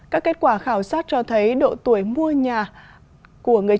các kết quả khảo sát cho thấy độ tuổi mua nhà của người